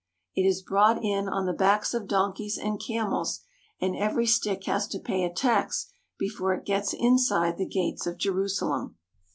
It is brought in on the backs of donkeys and camels and every stick has to pay a tax before it gets inside the gates of Jerusalem.